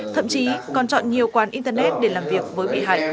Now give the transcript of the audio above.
thậm chí còn chọn nhiều quán internet để làm việc với bị hại